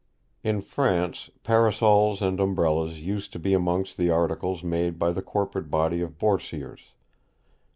In France Parasols and Umbrellas used to be amongst the articles made by the corporate body of Boursiers.